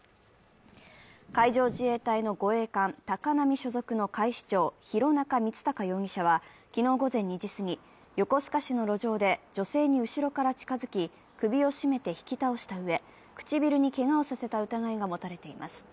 海上自衛隊の護衛艦「たかなみ」所属の海士長、広中光誉容疑者は昨日午前２時すぎ、横須賀市の路上で女性に後ろから近づき、首を絞めて引き倒したうえ、唇にけがをさせた歌が持たれています。